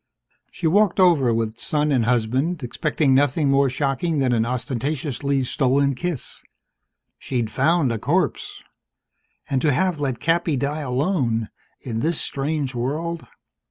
She'd walked over with son and husband, expecting nothing more shocking than an ostentatiously stolen kiss. She'd found a corpse. And to have let Cappy die alone, in this strange world